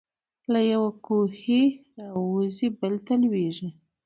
له یوه کوهي را وزي بل ته لوېږي.